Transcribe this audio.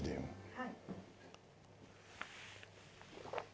はい。